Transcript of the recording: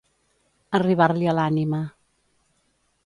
Arribar-li a l'ànima.